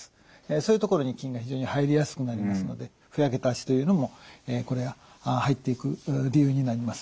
そういうところに菌が非常に入りやすくなりますのでふやけた足というのもこれは入っていく理由になります。